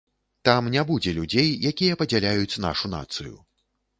Там не будзе людзей, якія падзяляюць нашу нацыю.